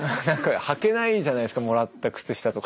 はけないじゃないですかもらった靴下とか。